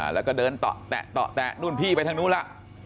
แล้วก็เดินตะแตะตะแตะนู่นพี่ไปทางนู้นละ